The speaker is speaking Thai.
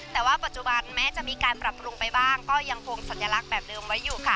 แต่ว่าปัจจุบันแม้จะมีการปรับปรุงไปบ้างก็ยังคงสัญลักษณ์แบบเดิมไว้อยู่ค่ะ